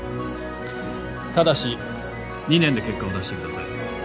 ただし２年で結果を出してください。